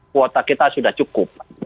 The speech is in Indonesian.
kuota kita sudah cukup